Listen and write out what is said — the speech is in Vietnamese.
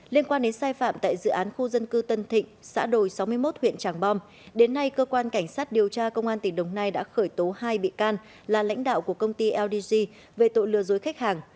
liên quan đến sai phạm tại dự án khu dân cư tân thịnh xã đồi sáu mươi một huyện tràng bom đến nay cơ quan cảnh sát điều tra công an tỉnh đồng nai đã khởi tố hai bị can là lãnh đạo của công ty ldg về tội lừa dối khách hàng